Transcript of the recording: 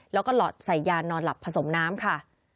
แล้วก็หลอดใส่ยานอนหลับผสมน้ำค่ะ